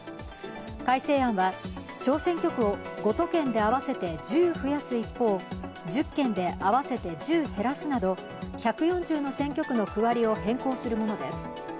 改正案は、小選挙区を５都県で合わせて１０増やす一方１０県で合わせて１０減らすなど１４０の選挙区の区割りを変更するものです。